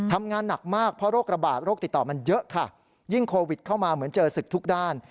ทำงานหนักมากเพราะโรคระบาดโรคติดต่อมันเยอะค่ะยิ่งโควิดเข้ามาเหมือนเจอศึกทุกด้าน